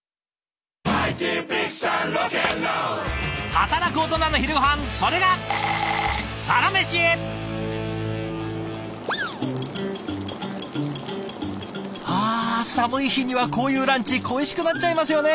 働くオトナの昼ごはんそれがあ寒い日にはこういうランチ恋しくなっちゃいますよね！